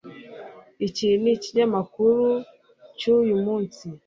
Iki ni ikinyamakuru cyuyu munsi